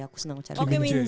aku seneng ngecari